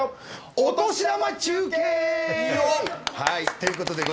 お年玉中継！